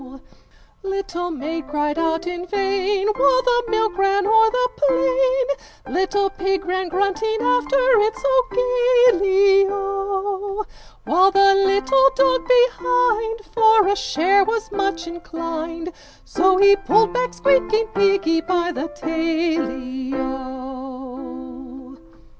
4 Little maid cried out in vain, While the milk ran o'er the plain, Little pig ran grunting after it so gaily O! While the little dog behind, For a share was much inclined, So he pulled back squeaking piggy by the taily O!